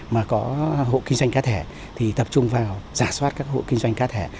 mà có hộ kinh doanh cá thể thì tập trung vào giả soát các hộ kinh doanh cá thể